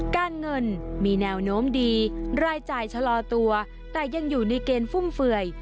การเงินมีแนวโน้มดีรายจ่ายชะลอตัวแต่ยังอยู่ในเกณฑ์ฟุ่มเฟื่อย